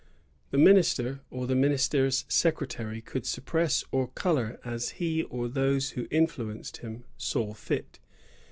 ^ The minister, or the minister's secretary, could suppress or color as he or those who influenced him saw fit.